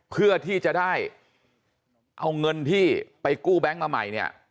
เพื่อที่จะได้เอาเงินที่ไปกู้แบงค์มาใหม่เนี่ย